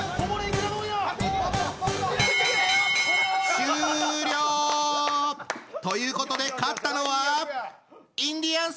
終了！ということで勝ったのはインディアンス！